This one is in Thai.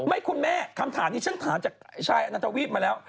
คุณแม่คำถามนี้ฉันถามจากชายอนันทวีปมาแล้ว